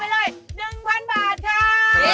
เอาไปเลย๑๐๐๐บาทค่ะ